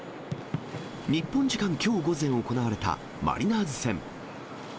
日本時間きょう午前行われた、マリナーズ戦。